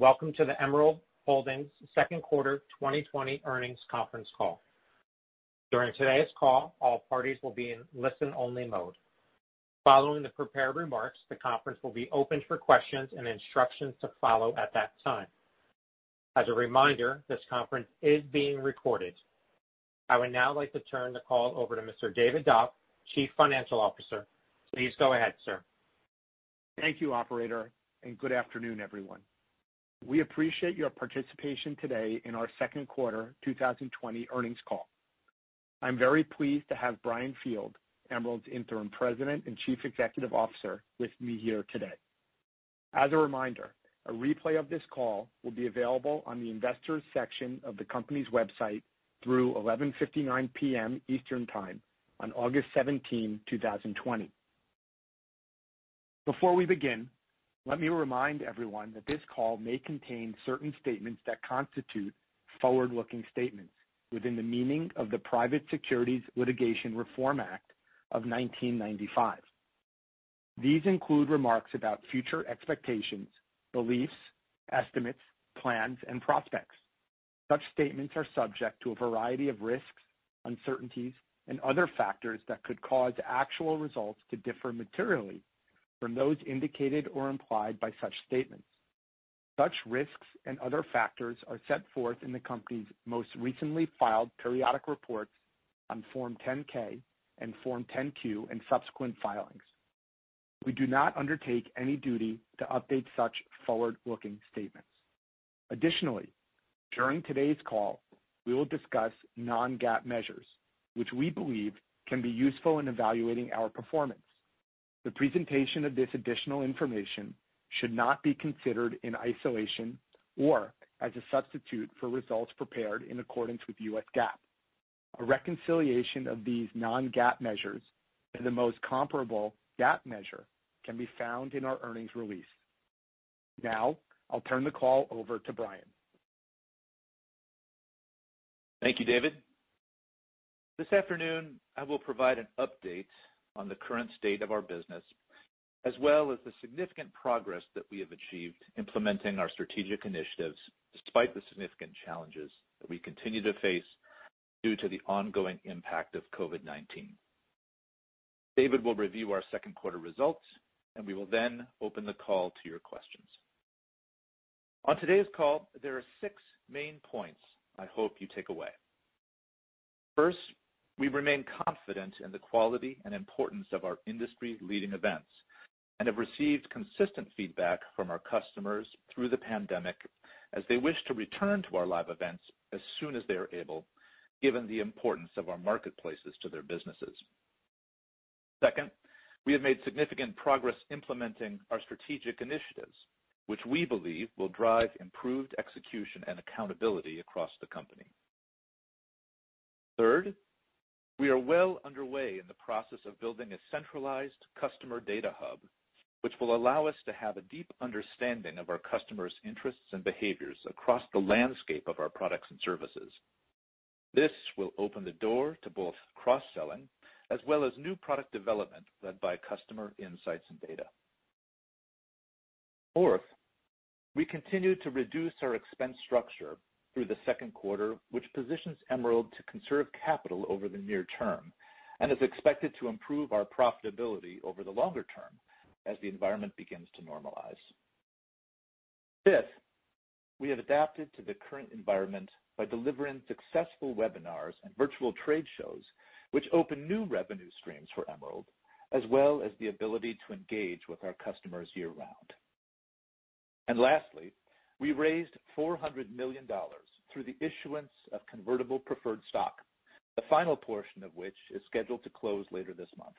Welcome to the Emerald Holdings second quarter 2020 earnings conference call. During today's call, all parties will be in listen-only mode. Following the prepared remarks, the conference will be opened for questions and instructions to follow at that time. As a reminder, this conference is being recorded. I would now like to turn the call over to Mr. David Doft, Chief Financial Officer. Please go ahead, sir. Thank you, Operator, and good afternoon everyone? We appreciate your participation today in our second quarter 2020 earnings call. I'm very pleased to have Brian Field, Emerald's Interim President and Chief Executive Officer, with me here today. As a reminder, a replay of this call will be available on the investors section of the company's website through 11:59 P.M. Eastern Time on August 17, 2020. Before we begin, let me remind everyone that this call may contain certain statements that constitute forward-looking statements within the meaning of the Private Securities Litigation Reform Act of 1995. These include remarks about future expectations, beliefs, estimates, plans, and prospects. Such statements are subject to a variety of risks, uncertainties, and other factors that could cause actual results to differ materially from those indicated or implied by such statements. Such risks and other factors are set forth in the company's most recently filed periodic reports on Form 10-K and Form 10-Q and subsequent filings. We do not undertake any duty to update such forward-looking statements. Additionally, during today's call, we will discuss non-GAAP measures, which we believe can be useful in evaluating our performance. The presentation of this additional information should not be considered in isolation or as a substitute for results prepared in accordance with U.S. GAAP. A reconciliation of these non-GAAP measures to the most comparable GAAP measure can be found in our earnings release. Now, I'll turn the call over to Brian. Thank you, David. This afternoon, I will provide an update on the current state of our business, as well as the significant progress that we have achieved implementing our strategic initiatives, despite the significant challenges that we continue to face due to the ongoing impact of COVID-19. David will review our second quarter results, and we will then open the call to your questions. On today's call, there are six main points I hope you take away. First, we remain confident in the quality and importance of our industry-leading events and have received consistent feedback from our customers through the pandemic as they wish to return to our live events as soon as they are able, given the importance of our marketplaces to their businesses. Second, we have made significant progress implementing our strategic initiatives, which we believe will drive improved execution and accountability across the company. Third, we are well underway in the process of building a centralized customer data hub, which will allow us to have a deep understanding of our customers' interests and behaviors across the landscape of our products and services. This will open the door to both cross-selling as well as new product development led by customer insights and data. Fourth, we continued to reduce our expense structure through the second quarter, which positions Emerald to conserve capital over the near term and is expected to improve our profitability over the longer term as the environment begins to normalize. Fifth, we have adapted to the current environment by delivering successful webinars and virtual trade shows, which open new revenue streams for Emerald, as well as the ability to engage with our customers year-round. Lastly, we raised $400 million through the issuance of convertible preferred stock, the final portion of which is scheduled to close later this month.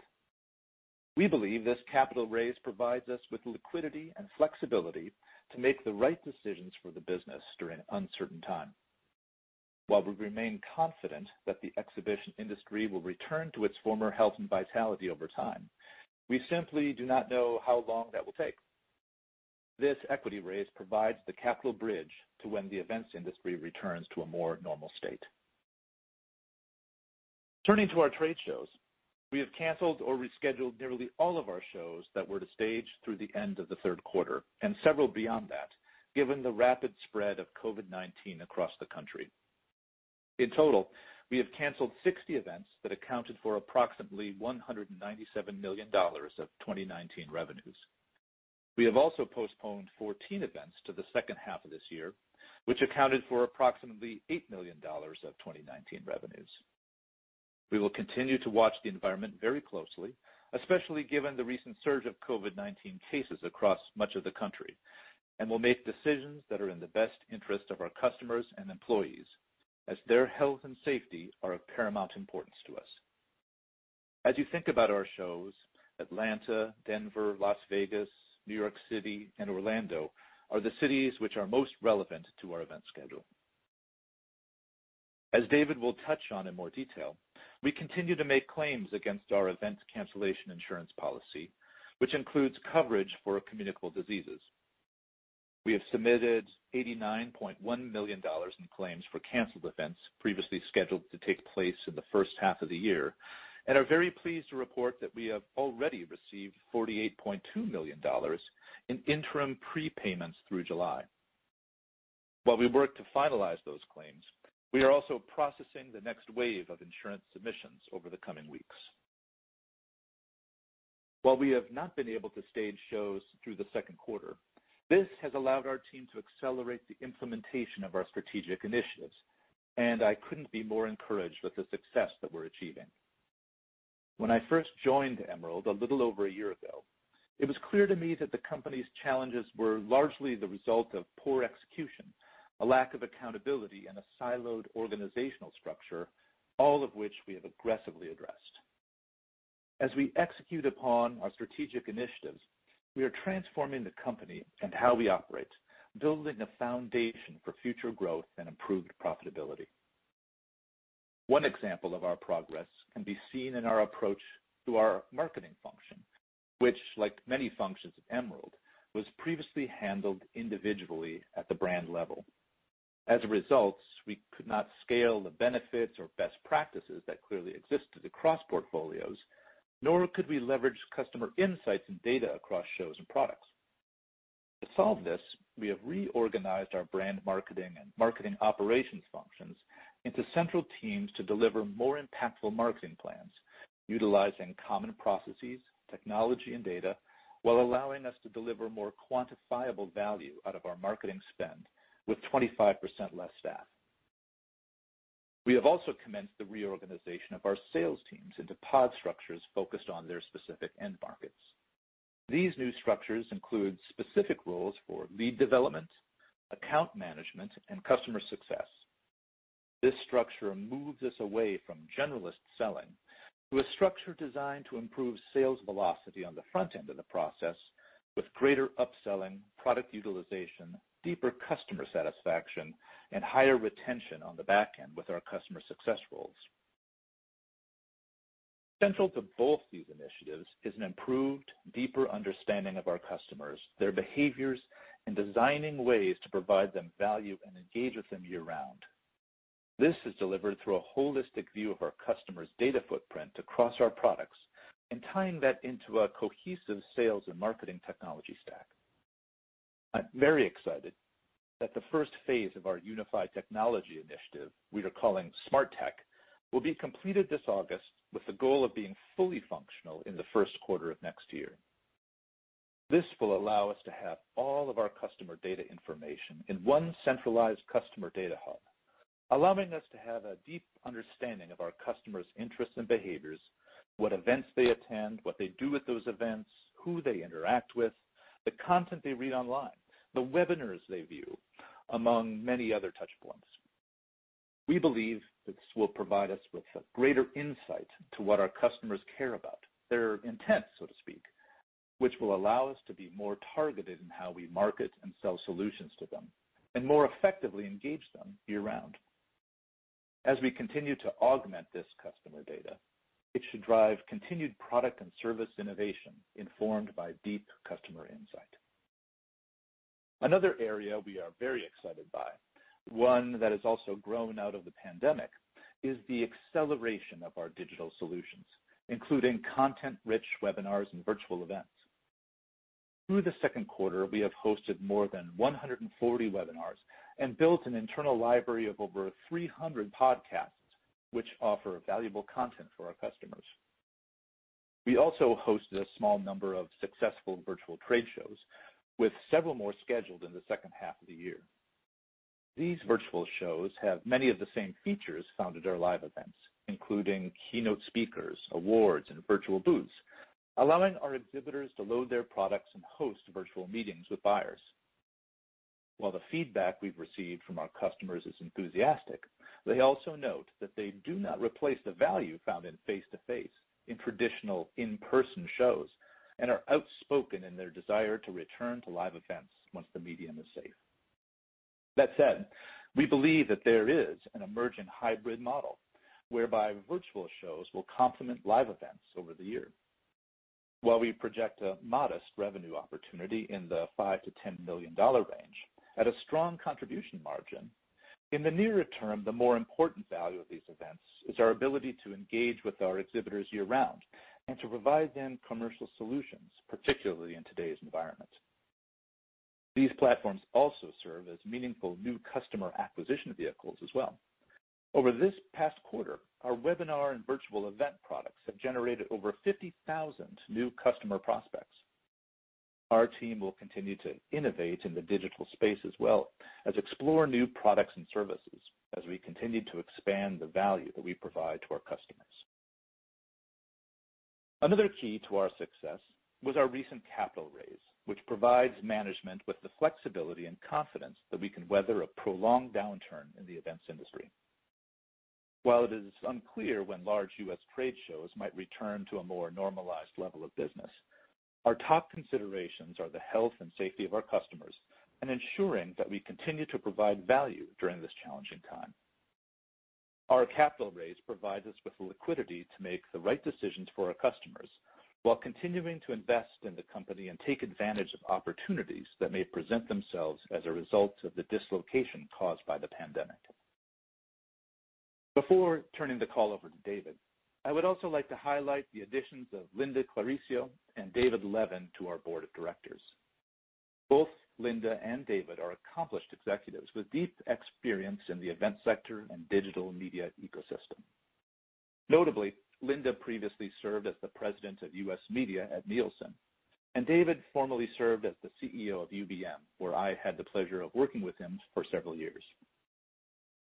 We believe this capital raise provides us with liquidity and flexibility to make the right decisions for the business during an uncertain time. While we remain confident that the exhibition industry will return to its former health and vitality over time, we simply do not know how long that will take. This equity raise provides the capital bridge to when the events industry returns to a more normal state. Turning to our trade shows, we have canceled or rescheduled nearly all of our shows that were to stage through the end of the third quarter, and several beyond that, given the rapid spread of COVID-19 across the country. In total, we have canceled 60 events that accounted for approximately $197 million of 2019 revenues. We have also postponed 14 events to the second half of this year, which accounted for approximately $8 million of 2019 revenues. We will continue to watch the environment very closely, especially given the recent surge of COVID-19 cases across much of the country, and will make decisions that are in the best interest of our customers and employees, as their health and safety are of paramount importance to us. As you think about our shows, Atlanta, Denver, Las Vegas, New York City, and Orlando are the cities which are most relevant to our event schedule. As David will touch on in more detail, we continue to make claims against our events cancellation insurance policy, which includes coverage for communicable diseases. We have submitted $89.1 million in claims for canceled events previously scheduled to take place in the first half of the year and are very pleased to report that we have already received $48.2 million in interim prepayments through July. While we work to finalize those claims, we are also processing the next wave of insurance submissions over the coming weeks. While we have not been able to stage shows through the second quarter, this has allowed our team to accelerate the implementation of our strategic initiatives, and I couldn't be more encouraged with the success that we're achieving. When I first joined Emerald a little over a year ago, it was clear to me that the company's challenges were largely the result of poor execution, a lack of accountability, and a siloed organizational structure, all of which we have aggressively addressed. As we execute upon our strategic initiatives, we are transforming the company and how we operate, building a foundation for future growth and improved profitability. One example of our progress can be seen in our approach to our marketing function, which like many functions at Emerald, was previously handled individually at the brand level. As a result, we could not scale the benefits or best practices that clearly existed across portfolios, nor could we leverage customer insights and data across shows and products. To solve this, we have reorganized our brand marketing and marketing operations functions into central teams to deliver more impactful marketing plans, utilizing common processes, technology, and data while allowing us to deliver more quantifiable value out of our marketing spend with 25% less staff. We have also commenced the reorganization of our sales teams into pod structures focused on their specific end markets. These new structures include specific roles for lead development, account management, and customer success. This structure moves us away from generalist selling to a structure designed to improve sales velocity on the front end of the process with greater upselling, product utilization, deeper customer satisfaction, and higher retention on the back end with our customer success roles. Central to both these initiatives is an improved, deeper understanding of our customers, their behaviors, and designing ways to provide them value and engage with them year-round. This is delivered through a holistic view of our customers' data footprint across our products and tying that into a cohesive sales and marketing technology stack. I'm very excited that the first phase of our unified technology initiative, we are calling Smart Tech, will be completed this August with the goal of being fully functional in the first quarter of next year. This will allow us to have all of our customer data information in one centralized customer data hub, allowing us to have a deep understanding of our customers' interests and behaviors, what events they attend, what they do at those events, who they interact with, the content they read online, the webinars they view, among many other touchpoints. We believe this will provide us with a greater insight to what our customers care about, their intent, so to speak, which will allow us to be more targeted in how we market and sell solutions to them and more effectively engage them year-round. As we continue to augment this customer data, it should drive continued product and service innovation informed by deep customer insight. Another area we are very excited by, one that has also grown out of the pandemic, is the acceleration of our digital solutions, including content-rich webinars and virtual events. Through the second quarter, we have hosted more than 140 webinars and built an internal library of over 300 podcasts, which offer valuable content for our customers. We also hosted a small number of successful virtual trade shows with several more scheduled in the second half of the year. These virtual shows have many of the same features found at our live events, including keynote speakers, awards, and virtual booths, allowing our exhibitors to load their products and host virtual meetings with buyers. The feedback we've received from our customers is enthusiastic, they also note that they do not replace the value found in face-to-face in traditional in-person shows and are outspoken in their desire to return to live events once the medium is safe. We believe that there is an emerging hybrid model whereby virtual shows will complement live events over the year. We project a modest revenue opportunity in the $5 million-$10 million range at a strong contribution margin, in the nearer term, the more important value of these events is our ability to engage with our exhibitors year-round and to provide them commercial solutions, particularly in today's environment. These platforms also serve as meaningful new customer acquisition vehicles as well. Over this past quarter, our webinar and virtual event products have generated over 50,000 new customer prospects. Our team will continue to innovate in the digital space as well as explore new products and services as we continue to expand the value that we provide to our customers. Another key to our success was our recent capital raise, which provides management with the flexibility and confidence that we can weather a prolonged downturn in the events industry. While it is unclear when large U.S. trade shows might return to a more normalized level of business, our top considerations are the health and safety of our customers and ensuring that we continue to provide value during this challenging time. Our capital raise provides us with the liquidity to make the right decisions for our customers while continuing to invest in the company and take advantage of opportunities that may present themselves as a result of the dislocation caused by the pandemic. Before turning the call over to David, I would also like to highlight the additions of Lynda Clarizio and David Levin to our Board of Directors. Both Lynda and David are accomplished Executives with deep experience in the event sector and digital media ecosystem. Notably, Lynda previously served as the President of U.S. Media at Nielsen, and David formerly served as the Chief Executive Officer of UBM, where I had the pleasure of working with him for several years.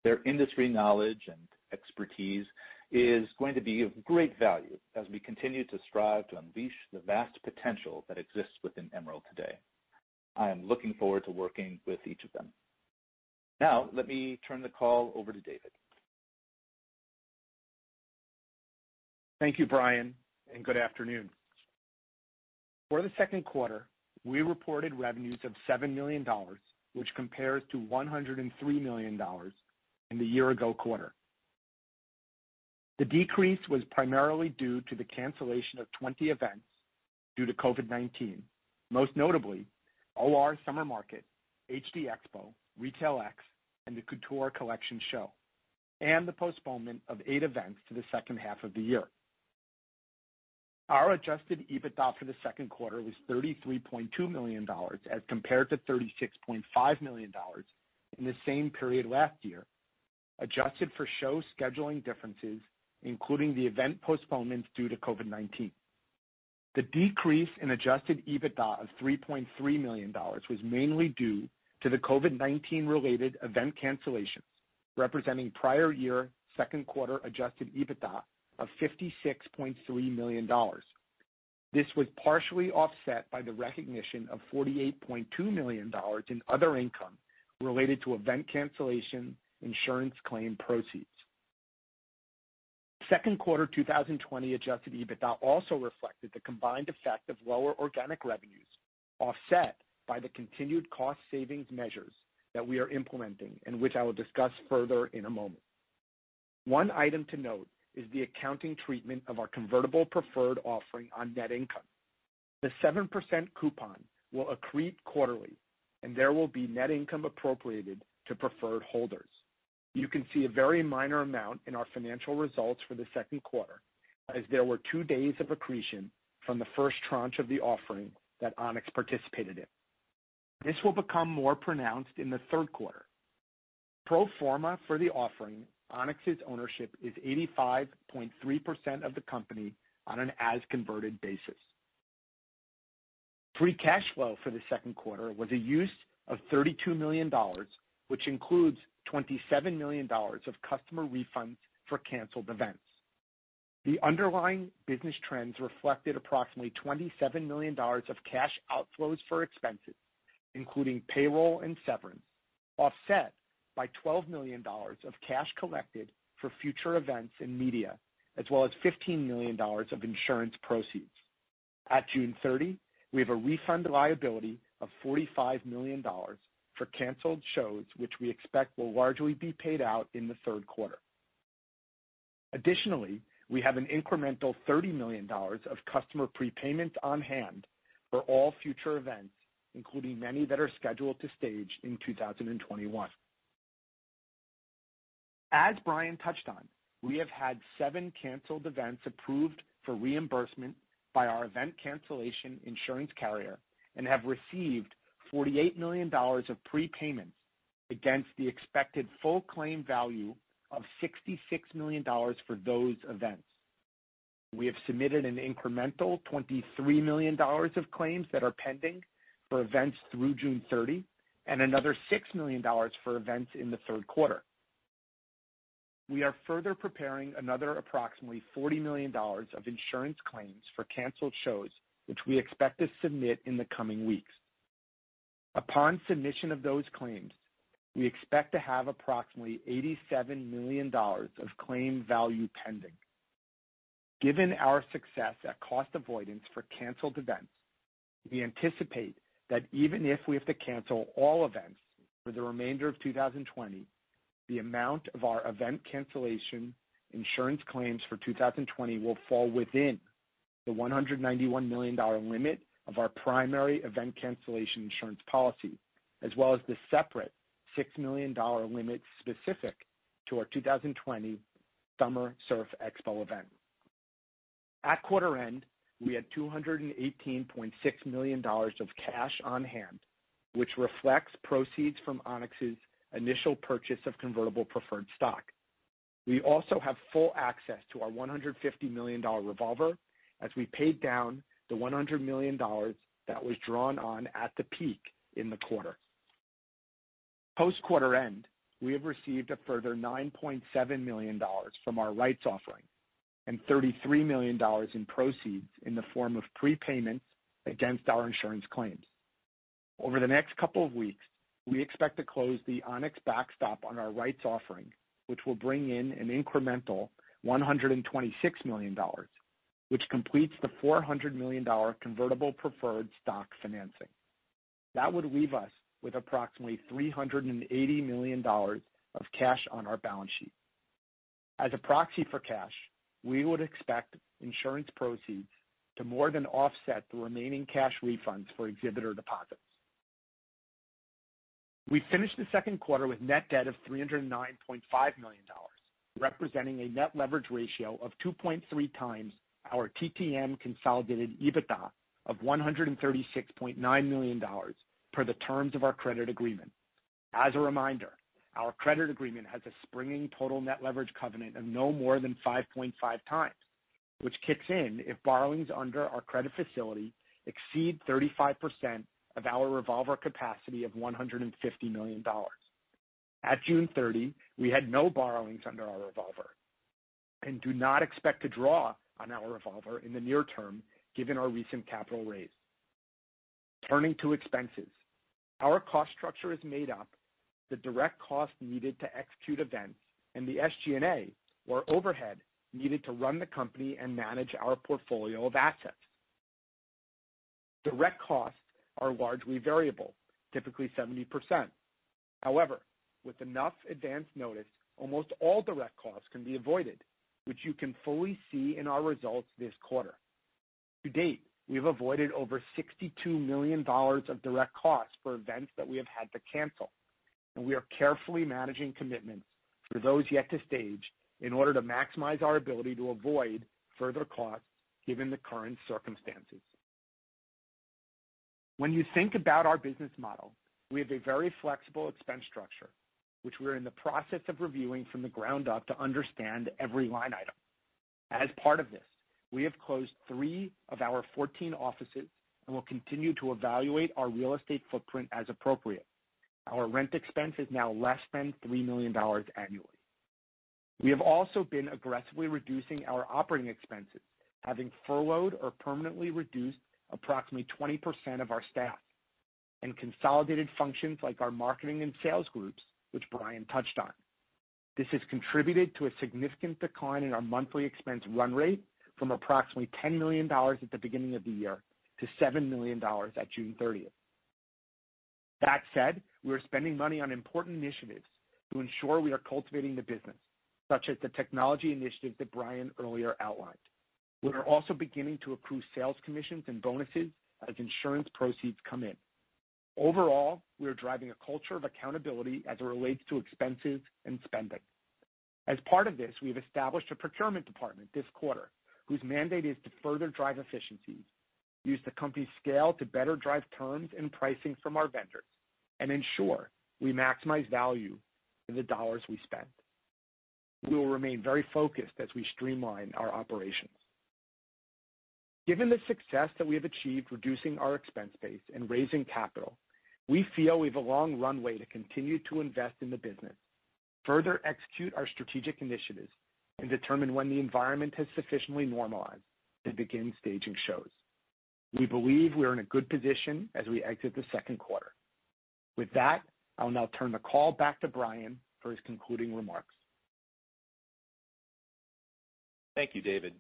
Their industry knowledge and expertise is going to be of great value as we continue to strive to unleash the vast potential that exists within Emerald today. I am looking forward to working with each of them. Let me turn the call over to David. Thank you, Brian, and good afternoon? For the second quarter, we reported revenues of $7 million, which compares to $103 million in the year ago quarter. The decrease was primarily due to the cancellation of 20 events due to COVID-19, most notably OR Summer Market, HD Expo, RetailX, and the Couture Collection Show, and the postponement of eight events to the second half of the year. Our adjusted EBITDA for the second quarter was $33.2 million as compared to $36.5 million in the same period last year, adjusted for show scheduling differences, including the event postponements due to COVID-19. The decrease in adjusted EBITDA of $3.3 million was mainly due to the COVID-19 related event cancellations, representing prior year second quarter adjusted EBITDA of $56.3 million. This was partially offset by the recognition of $48.2 million in other income related to event cancellation insurance claim proceeds. Second quarter 2020 adjusted EBITDA also reflected the combined effect of lower organic revenues, offset by the continued cost savings measures that we are implementing and which I will discuss further in a moment. One item to note is the accounting treatment of our convertible preferred offering on net income. The 7% coupon will accrete quarterly and there will be net income appropriated to preferred holders. You can see a very minor amount in our financial results for the second quarter as there were two days of accretion from the first tranche of the offering that Onex participated in. This will become more pronounced in the third quarter. Pro forma for the offering, Onex's ownership is 85.3% of the company on an as converted basis. Free cash flow for the second quarter was a use of $32 million, which includes $27 million of customer refunds for canceled events. The underlying business trends reflected approximately $27 million of cash outflows for expenses, including payroll and severance, offset by $12 million of cash collected for future events and media, as well as $15 million of insurance proceeds. At June 30, we have a refund liability of $45 million for canceled shows, which we expect will largely be paid out in the third quarter. Additionally, we have an incremental $30 million of customer prepayments on hand for all future events, including many that are scheduled to stage in 2021. As Brian touched on, we have had seven canceled events approved for reimbursement by our event cancellation insurance carrier and have received $48 million of prepayments against the expected full claim value of $66 million for those events. We have submitted an incremental $23 million of claims that are pending for events through June 30 and another $6 million for events in the third quarter. We are further preparing another approximately $40 million of insurance claims for canceled shows, which we expect to submit in the coming weeks. Upon submission of those claims, we expect to have approximately $87 million of claim value pending. Given our success at cost avoidance for canceled events, we anticipate that even if we have to cancel all events for the remainder of 2020, the amount of our event cancellation insurance claims for 2020 will fall within the $191 million limit of our primary event cancellation insurance policy, as well as the separate $6 million limit specific to our 2020 Summer Surf Expo event. At quarter end, we had $218.6 million of cash on hand, which reflects proceeds from Onex's initial purchase of convertible preferred stock. We also have full access to our $150 million revolver as we paid down the $100 million that was drawn on at the peak in the quarter. Post quarter end, we have received a further $9.7 million from our rights offering and $33 million in proceeds in the form of prepayment against our insurance claims. Over the next couple of weeks, we expect to close the Onex backstop on our rights offering, which will bring in an incremental $126 million, which completes the $400 million convertible preferred stock financing. That would leave us with approximately $380 million of cash on our balance sheet. As a proxy for cash, we would expect insurance proceeds to more than offset the remaining cash refunds for exhibitor deposits. We finished the second quarter with net debt of $309.5 million, representing a net leverage ratio of 2.3x our TTM consolidated EBITDA of $136.9 million per the terms of our credit agreement. As a reminder, our credit agreement has a springing total net leverage covenant of no more than 5.5x, which kicks in if borrowings under our credit facility exceed 35% of our revolver capacity of $150 million. At June 30, we had no borrowings under our revolver and do not expect to draw on our revolver in the near term given our recent capital raise. Turning to expenses. Our cost structure is made up the direct cost needed to execute events and the SG&A or overhead needed to run the company and manage our portfolio of assets. Direct costs are largely variable, typically 70%. However, with enough advance notice, almost all direct costs can be avoided, which you can fully see in our results this quarter. To date, we have avoided over $62 million of direct costs for events that we have had to cancel, and we are carefully managing commitments for those yet to stage in order to maximize our ability to avoid further costs given the current circumstances. When you think about our business model, we have a very flexible expense structure, which we're in the process of reviewing from the ground up to understand every line item. As part of this, we have closed three of our 14 offices and will continue to evaluate our real estate footprint as appropriate. Our rent expense is now less than $3 million annually. We have also been aggressively reducing our operating expenses, having furloughed or permanently reduced approximately 20% of our staff and consolidated functions like our marketing and sales groups, which Brian touched on. This has contributed to a significant decline in our monthly expense run rate from approximately $10 million at the beginning of the year to $7 million at June 30. That said, we are spending money on important initiatives to ensure we are cultivating the business, such as the technology initiatives that Brian earlier outlined. We are also beginning to accrue sales commissions and bonuses as insurance proceeds come in. Overall, we are driving a culture of accountability as it relates to expenses and spending. As part of this, we have established a procurement department this quarter whose mandate is to further drive efficiencies, use the company's scale to better drive terms and pricing from our vendors, and ensure we maximize value in the dollars we spend. We will remain very focused as we streamline our operations. Given the success that we have achieved reducing our expense base and raising capital, we feel we have a long runway to continue to invest in the business, further execute our strategic initiatives, and determine when the environment has sufficiently normalized to begin staging shows. We believe we are in a good position as we exit the second quarter. With that, I'll now turn the call back to Brian for his concluding remarks. Thank you, David.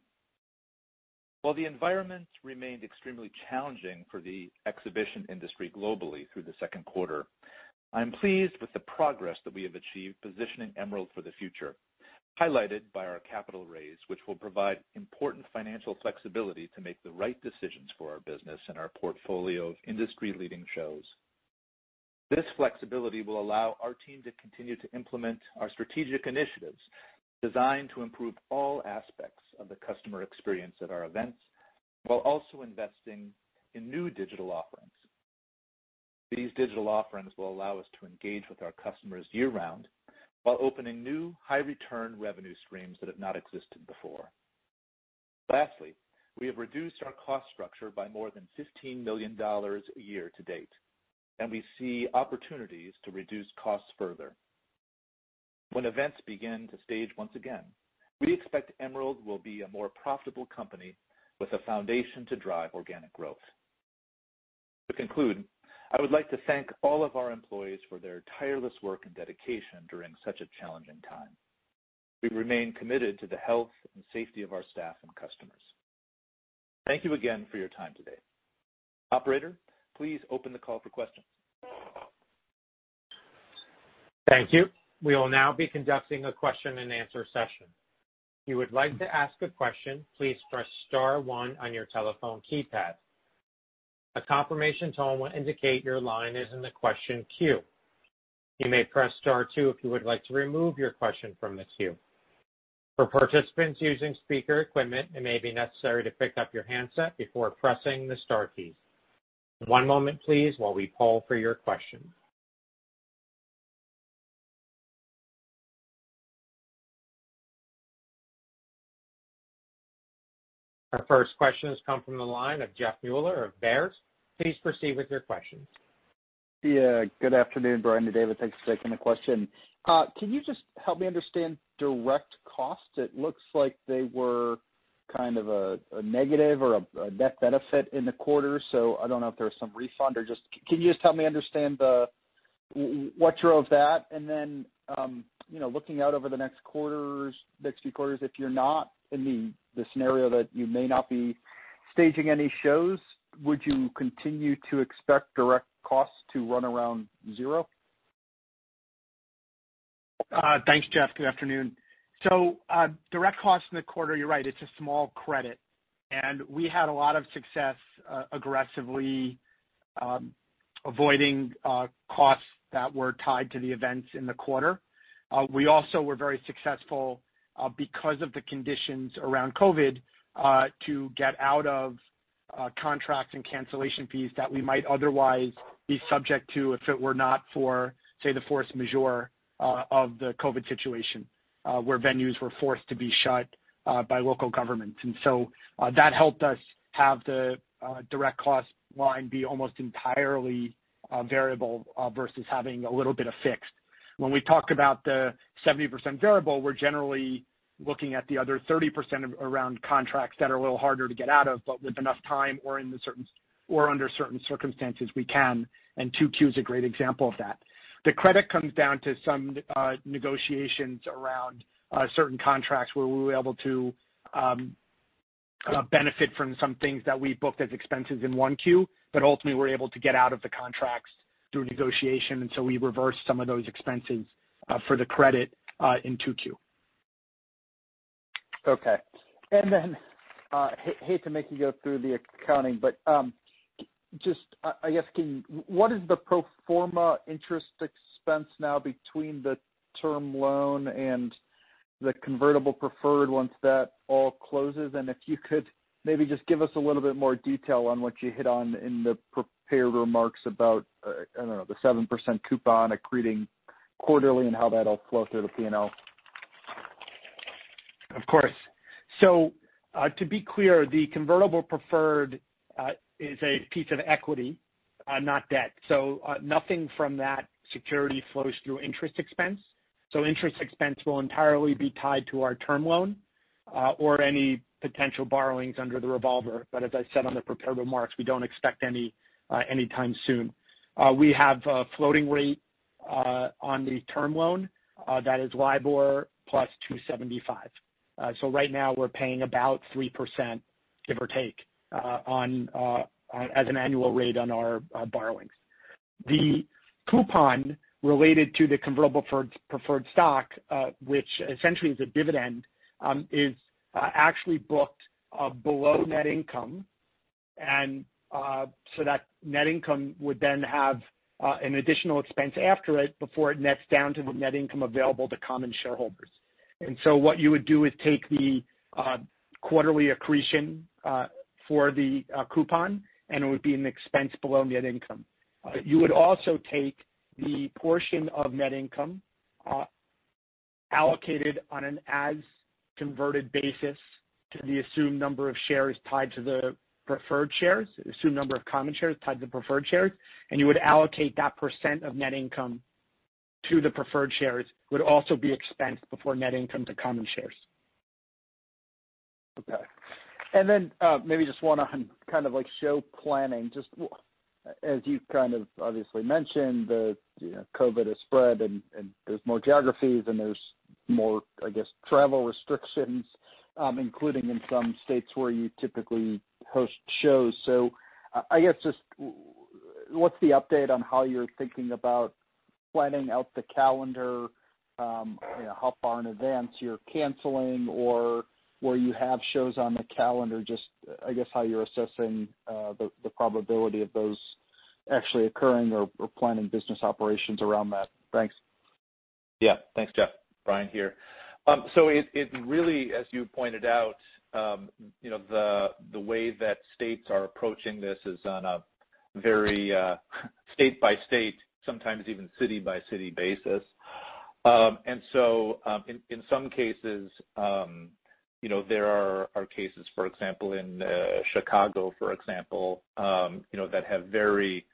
While the environment remained extremely challenging for the exhibition industry globally through the second quarter, I'm pleased with the progress that we have achieved positioning Emerald for the future, highlighted by our capital raise, which will provide important financial flexibility to make the right decisions for our business and our portfolio of industry-leading shows. This flexibility will allow our team to continue to implement our strategic initiatives designed to improve all aspects of the customer experience at our events while also investing in new digital offerings. These digital offerings will allow us to engage with our customers year-round while opening new high-return revenue streams that have not existed before. Lastly, we have reduced our cost structure by more than $15 million a year to date, and we see opportunities to reduce costs further. When events begin to stage once again, we expect Emerald will be a more profitable company with a foundation to drive organic growth. To conclude, I would like to thank all of our employees for their tireless work and dedication during such a challenging time. We remain committed to the health and safety of our staff and customers. Thank you again for your time today. Operator, please open the call for questions. Thank you. We will now be conducting a question-and-answer session. If you would like to ask a question, please press star one on your telephone keypad. A confirmation tone will indicate your line is in the question queue. You may press star two if you would like to remove your question from the queue. For participants using speaker equipment, it may be necessary to pick up your handset before pressing the star key. One moment, please, while we call for your question. Our first question has come from the line of Jeff Meuler of Baird, please proceed with your question. Yeah, good afternoon, Brian and David? Thanks for taking the question. Can you just help me understand direct costs? It looks like they were kind of a negative or a net benefit in the quarter. I don't know if there was some refund. Can you just help me understand what drove that? Looking out over the next few quarters, if you're not in the scenario that you may not be staging any shows, would you continue to expect direct costs to run around zero? Thanks, Jeff. Good afternoon. Direct costs in the quarter, you're right, it's a small credit. We had a lot of success aggressively avoiding costs that were tied to the events in the quarter. We also were very successful, because of the conditions around COVID, to get out of contracts and cancellation fees that we might otherwise be subject to if it were not for, say, the force majeure of the COVID situation, where venues were forced to be shut by local governments. That helped us have the direct cost line be almost entirely variable versus having a little bit of fixed. When we talked about the 70% variable, we're generally looking at the other 30% around contracts that are a little harder to get out of, but with enough time or under certain circumstances, we can, and Q2 is a great example of that. The credit comes down to some negotiations around certain contracts where we were able to benefit from some things that we booked as expenses in Q1, but ultimately were able to get out of the contracts through negotiation. We reversed some of those expenses for the credit in Q2. Okay. Then, hate to make you go through the accounting, but just, I guess, what is the pro forma interest expense now between the term loan and the convertible preferred once that all closes? If you could maybe just give us a little bit more detail on what you hit on in the prepared remarks about, I don't know, the 7% coupon accreting quarterly and how that'll flow through the P&L. Of course. To be clear, the convertible preferred is a piece of equity, not debt. Nothing from that security flows through interest expense. Interest expense will entirely be tied to our term loan, or any potential borrowings under the revolver. As I said on the prepared remarks, we don't expect any anytime soon. We have a floating rate on the term loan that is LIBOR plus 275. Right now we're paying about 3%, give or take, as an annual rate on our borrowings. The coupon related to the convertible preferred stock, which essentially is a dividend, is actually booked below net income. That net income would then have an additional expense after it before it nets down to the net income available to common shareholders. What you would do is take the quarterly accretion for the coupon, and it would be an expense below net income. You would also take the portion of net income allocated on an as converted basis to the assumed number of shares tied to the preferred shares, assumed number of common shares tied to preferred shares, and you would allocate that percent of net income to the preferred shares, would also be expensed before net income to common shares. Okay. maybe just one on show planning. Just as you kind of obviously mentioned, COVID has spread and there's more geographies and there's more, I guess, travel restrictions, including in some states where you typically host shows. I guess, just what's the update on how you're thinking about planning out the calendar, how far in advance you're canceling or where you have shows on the calendar, just, I guess, how you're assessing the probability of those actually occurring or planning business operations around that. Thanks. Yeah. Thanks, Jeff. Brian here. It really, as you pointed out, the way that states are approaching this is on a very state-by-state, sometimes even city-by-city basis. In some cases, there are cases, for example, in Chicago, for example, that have very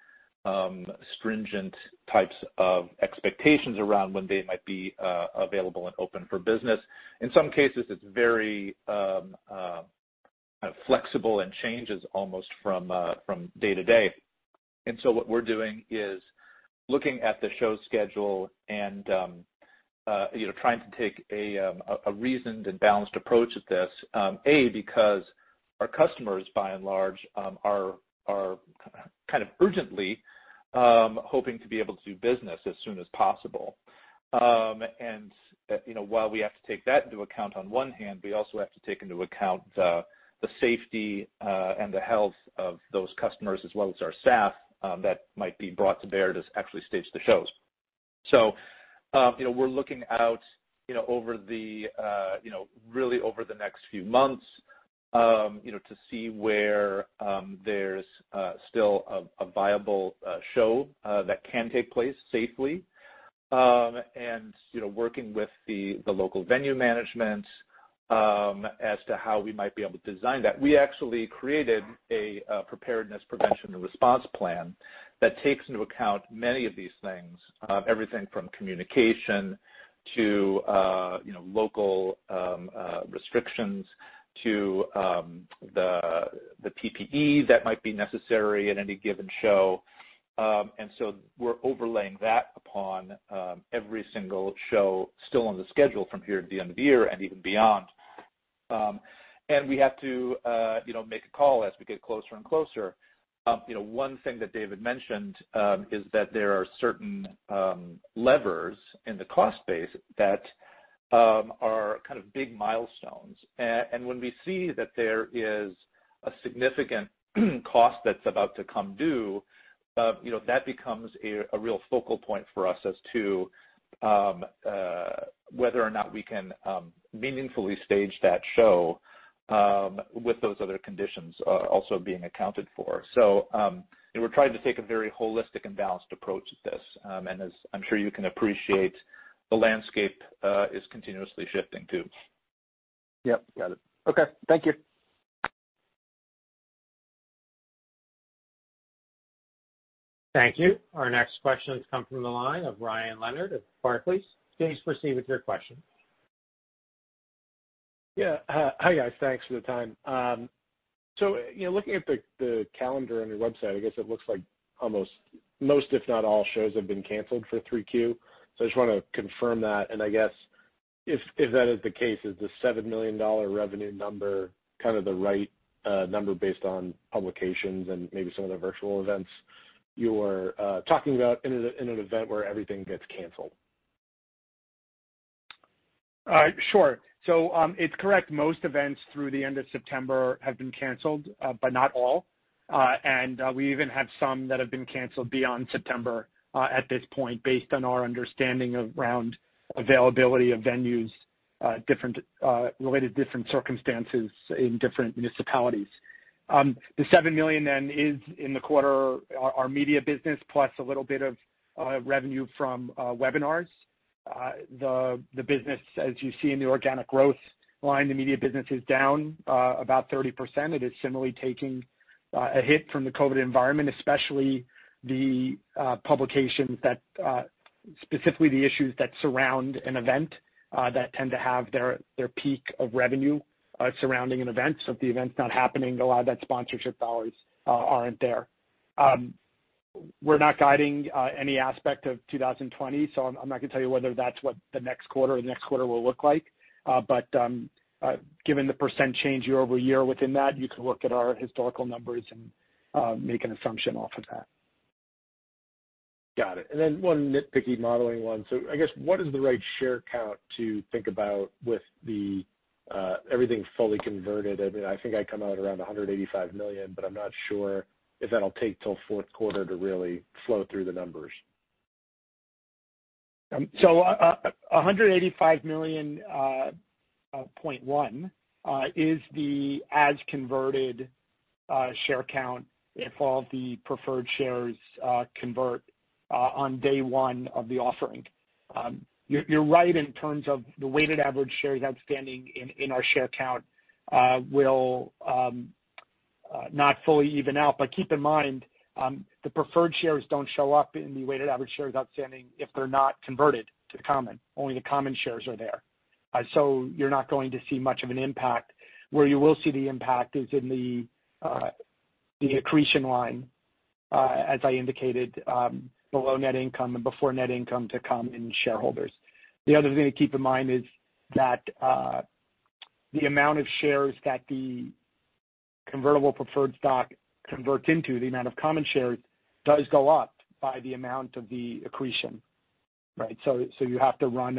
stringent types of expectations around when they might be available and open for business. In some cases, it's very flexible and changes almost from day to day. What we're doing is looking at the show schedule and trying to take a reasoned and balanced approach at this, A, because our customers, by and large, are kind of urgently hoping to be able to do business as soon as possible. While we have to take that into account on one hand, we also have to take into account the safety and the health of those customers as well as our staff that might be brought to bear to actually stage the shows. We're looking out really over the next few months to see where there's still a viable show that can take place safely. Working with the local venue managements as to how we might be able to design that. We actually created a preparedness prevention and response plan that takes into account many of these things. Everything from communication to local restrictions to the PPE that might be necessary at any given show. We're overlaying that upon every single show still on the schedule from here to the end of the year and even beyond. We have to make a call as we get closer and closer. One thing that David mentioned, is that there are certain levers in the cost base that are kind of big milestones. When we see that there is a significant cost that's about to come due, that becomes a real focal point for us as to whether or not we can meaningfully stage that show with those other conditions also being accounted for. We're trying to take a very holistic and balanced approach with this. As I'm sure you can appreciate, the landscape is continuously shifting, too. Yep. Got it. Okay. Thank you. Thank you. Our next question has come from the line of Ryan Leonard at Barclays, please proceed with your question. Yeah. Hi, guys? Thanks for the time. Looking at the calendar on your website, I guess it looks like almost most, if not all, shows have been canceled for 3Q. I just want to confirm that, and I guess if that is the case, is the $7 million revenue number kind of the right number based on publications and maybe some of the virtual events you were talking about in an event where everything gets canceled? Sure. It's correct, most events through the end of September have been canceled, but not all. We even have some that have been canceled beyond September, at this point, based on our understanding around availability of venues, related different circumstances in different municipalities. The $7 million is in the quarter, our media business, plus a little bit of revenue from webinars. The business, as you see in the organic growth line, the media business is down about 30%. It is similarly taking a hit from the COVID environment, especially the publications specifically the issues that surround an event that tend to have their peak of revenue surrounding an event. If the event's not happening, a lot of that sponsorship dollars aren't there. We're not guiding any aspect of 2020, so I'm not gonna tell you whether that's what the next quarter or the next quarter will look like. Given the percentage change year-over-year within that, you can look at our historical numbers and make an assumption off of that. Got it. One nitpicky modeling one. I guess, what is the right share count to think about with everything fully converted? I mean, I think I come out around 185 million, but I'm not sure if that'll take till fourth quarter to really flow through the numbers. 185.1 million is the as-converted share count if all the preferred shares convert on day one of the offering. You're right in terms of the weighted average shares outstanding in our share count will not fully even out. Keep in mind, the preferred shares don't show up in the weighted average shares outstanding if they're not converted to the common. Only the common shares are there. You're not going to see much of an impact. Where you will see the impact is in the accretion line, as I indicated, below net income and before net income to common shareholders. The other thing to keep in mind is that the amount of shares that the convertible preferred stock converts into, the amount of common shares, does go up by the amount of the accretion. Right? You have to run,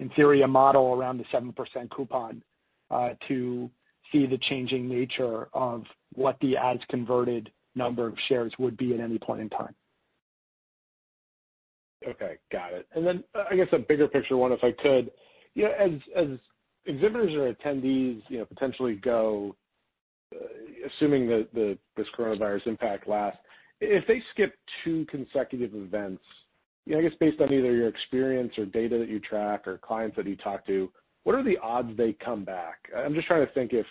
in theory, a model around the 7% coupon to see the changing nature of what the as-converted number of shares would be at any point in time. Okay. Got it. I guess a bigger picture one, if I could. As exhibitors or attendees potentially go, assuming this coronavirus impact lasts, if they skip two consecutive events, I guess based on either your experience or data that you track or clients that you talk to, what are the odds they come back? I'm just trying to think if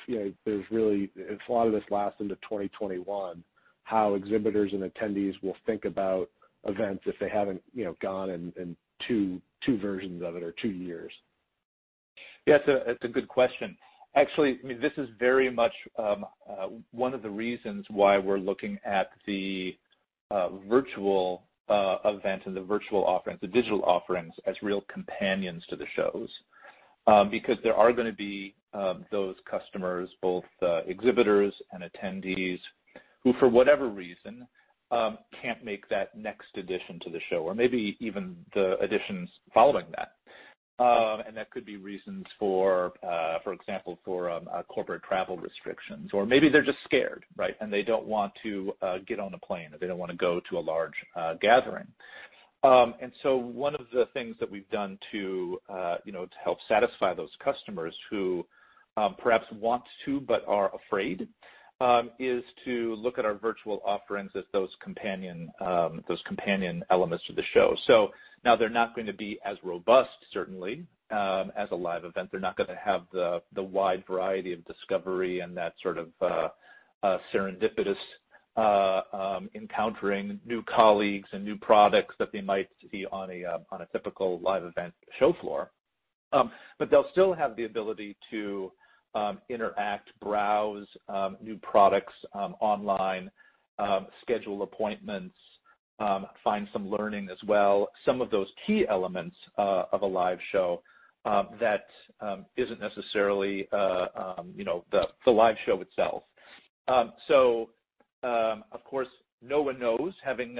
there's really, if a lot of this lasts into 2021, how exhibitors and attendees will think about events if they haven't gone in two versions of it or two years. Yeah. It's a good question. Actually, I mean, this is very much one of the reasons why we're looking at the virtual event and the virtual offerings, the digital offerings, as real companions to the shows. Because there are gonna be those customers, both exhibitors and attendees, who for whatever reason, can't make that next edition to the show, or maybe even the editions following that. That could be reasons, for example, for corporate travel restrictions, or maybe they're just scared, right, and they don't want to get on a plane, or they don't want to go to a large gathering. So one of the things that we've done to help satisfy those customers who perhaps want to but are afraid, is to look at our virtual offerings as those companion elements to the show. Now they're not going to be as robust, certainly, as a live event. They're not going to have the wide variety of discovery and that sort of serendipitous encountering new colleagues and new products that they might see on a typical live event show floor. They'll still have the ability to interact, browse new products online, schedule appointments, find some learning as well, some of those key elements of a live show that isn't necessarily the live show itself. Of course, no one knows, having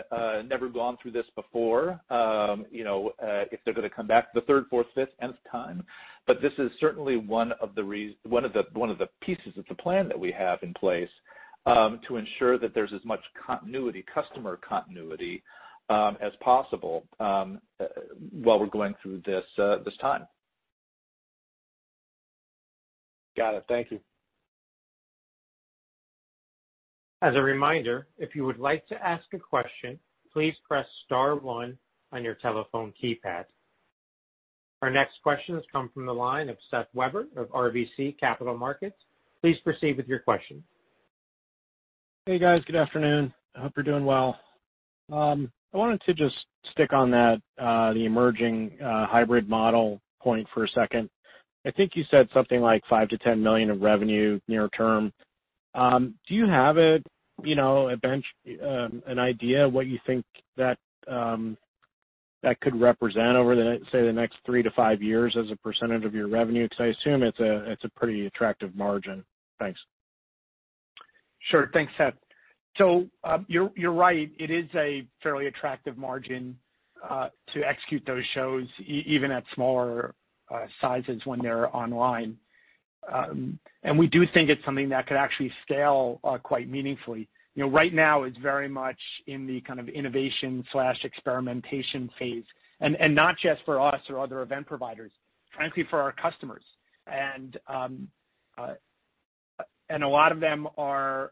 never gone through this before if they're going to come back the third, fourth, fifth, nth time, but this is certainly one of the pieces of the plan that we have in place to ensure that there's as much continuity, customer continuity, as possible while we're going through this time. Got it. Thank you. As a reminder, if you would like to ask a question, please press star one on your telephone keypad. Our next question has come from the line of Seth Weber of RBC Capital Markets, please proceed with your question. Hey, guys. Good afternoon? I hope you're doing well. I wanted to just stick on the emerging hybrid model point for a second. I think you said something like $5 million-$10 million of revenue near term. Do you have an idea of what you think that could represent over, say, the next three years to five years as a percentage of your revenue? I assume it's a pretty attractive margin. Thanks. Sure. Thanks, Seth. You're right, it is a fairly attractive margin to execute those shows, even at smaller sizes when they're online. We do think it's something that could actually scale quite meaningfully. Right now, it's very much in the kind of innovation/experimentation phase, and not just for us or other event providers, frankly, for our customers. A lot of them are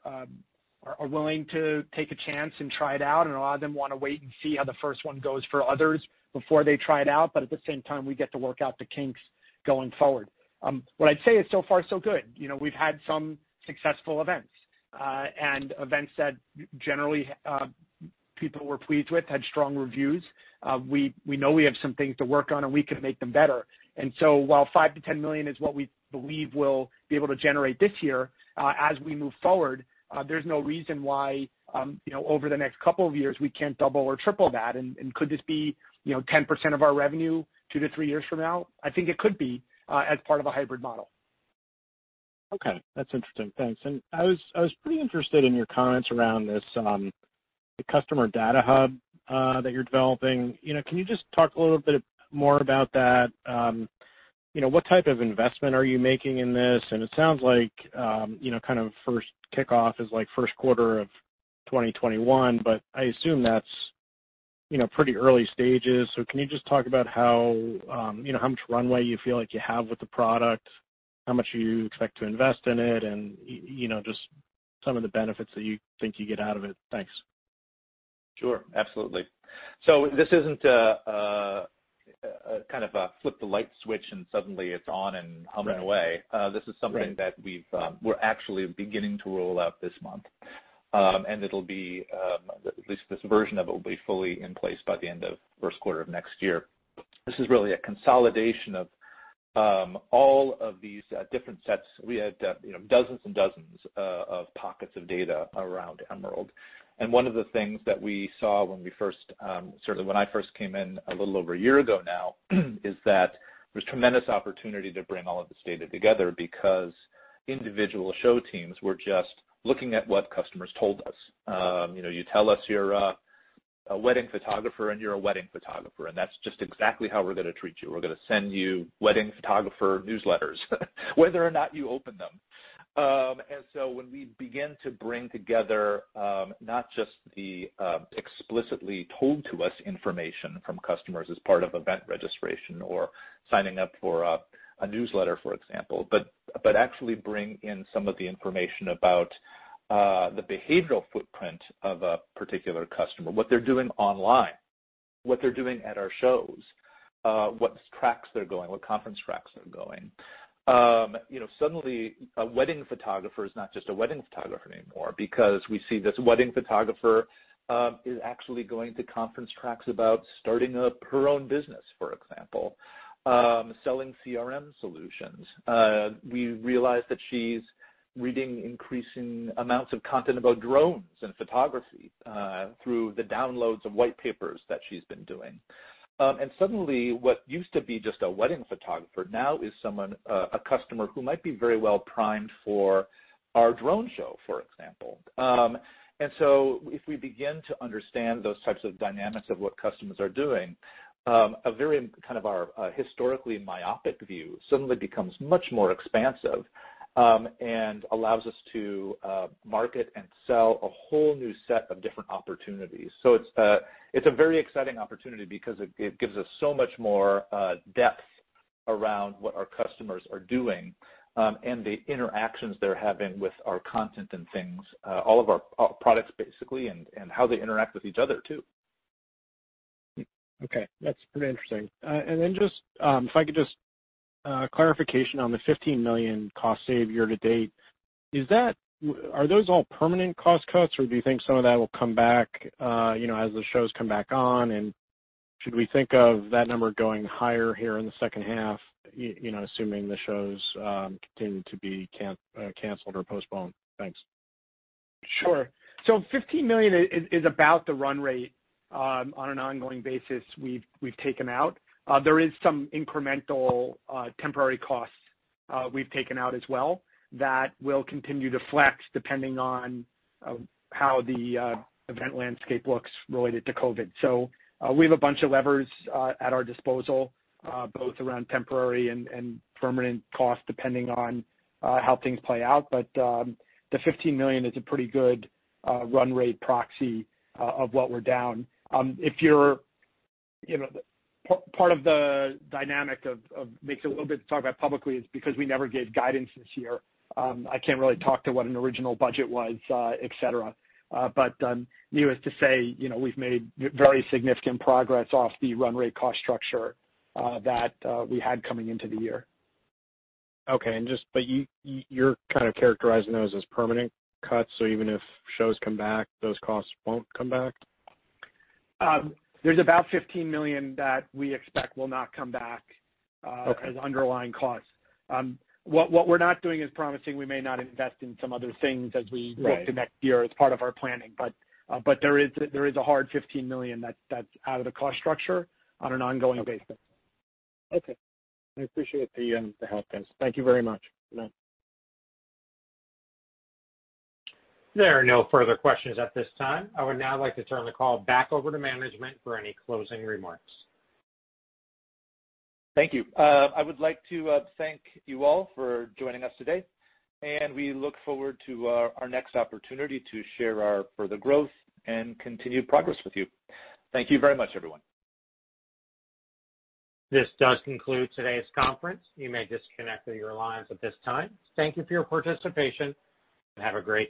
willing to take a chance and try it out, and a lot of them want to wait and see how the first one goes for others before they try it out. At the same time, we get to work out the kinks going forward. What I'd say is so far so good. We've had some successful events, and events that generally people were pleased with, had strong reviews. We know we have some things to work on, and we can make them better. While $5 million-$10 million is what we believe we'll be able to generate this year, as we move forward, there's no reason why over the next couple of years, we can't double or triple that. Could this be 10% of our revenue two to three years from now? I think it could be as part of a hybrid model. Okay. That's interesting. Thanks. I was pretty interested in your comments around this customer data hub that you're developing. Can you just talk a little bit more about that? What type of investment are you making in this? It sounds like kind of first kickoff is first quarter of 2021, but I assume that's pretty early stages. Can you just talk about how much runway you feel like you have with the product, how much you expect to invest in it, and just some of the benefits that you think you get out of it? Thanks. Sure. Absolutely. This isn't a kind of a flip the light switch and suddenly it's on and humming away. This is something that we're actually beginning to roll out this month. At least this version of it will be fully in place by the end of first quarter of next year. This is really a consolidation of all of these different sets. We had dozens and dozens of pockets of data around Emerald. One of the things that we saw when I first came in a little over a year ago now, is that there's tremendous opportunity to bring all of this data together because individual show teams were just looking at what customers told us. You tell us you're a wedding photographer, and you're a wedding photographer. That's just exactly how we're going to treat you. We're going to send you wedding photographer newsletters whether or not you open them. When we begin to bring together not just the explicitly told to us information from customers as part of event registration or signing up for a newsletter, for example, but actually bring in some of the information about the behavioral footprint of a particular customer, what they're doing online, what they're doing at our shows, what conference tracks they're going. Suddenly, a wedding photographer is not just a wedding photographer anymore because we see this wedding photographer is actually going to conference tracks about starting up her own business, for example, selling CRM solutions. We realize that she's reading increasing amounts of content about drones and photography through the downloads of white papers that she's been doing. Suddenly, what used to be just a wedding photographer now is a customer who might be very well primed for our drone show, for example. If we begin to understand those types of dynamics of what customers are doing, a very kind of our historically myopic view suddenly becomes much more expansive and allows us to market and sell a whole new set of different opportunities. It's a very exciting opportunity because it gives us so much more depth around what our customers are doing and the interactions they're having with our content and things, all of our products basically, and how they interact with each other too. Okay. That's pretty interesting. Clarification on the $15 million cost save year to date. Are those all permanent cost cuts, or do you think some of that will come back as the shows come back on? Should we think of that number going higher here in the second half, assuming the shows continue to be canceled or postponed? Thanks. Sure. $15 million is about the run rate on an ongoing basis we've taken out. There is some incremental temporary costs we've taken out as well that will continue to flex depending on how the event landscape looks related to COVID. We have a bunch of levers at our disposal both around temporary and permanent cost depending on how things play out. The $15 million is a pretty good run rate proxy of what we're down. Part of the dynamic of makes it a little bit to talk about publicly is because we never gave guidance this year. I can't really talk to what an original budget was, et cetera. Needless to say, we've made very significant progress off the run rate cost structure that we had coming into the year. Okay. You're kind of characterizing those as permanent cuts, so even if shows come back, those costs won't come back? There's about $15 million that we expect will not come back as underlying costs. What we're not doing is promising we may not invest in some other things as we look to next year as part of our planning. There is a hard $15 million that's out of the cost structure on an ongoing basis. Okay. I appreciate the help, guys. Thank you very much. Good night. There are no further questions at this time. I would now like to turn the call back over to management for any closing remarks. Thank you. I would like to thank you all for joining us today, and we look forward to our next opportunity to share our further growth and continued progress with you. Thank you very much, everyone. This does conclude today's conference, you may disconnect at your convenience at this time. Thank you for your participation, and have a great day.